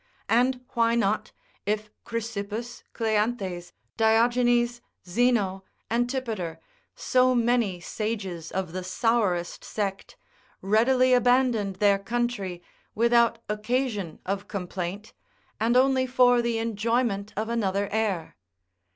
And why not, if Chrysippus, Cleanthes, Diogenes, Zeno, Antipater, so many sages of the sourest sect, readily abandoned their country, without occasion of complaint, and only for the enjoyment of another air.